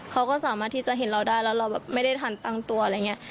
เขาก็สามารถที่จะเห็นเราได้แล้วเราแบบไม่ได้ทันตั้งตัวอะไรอย่างนี้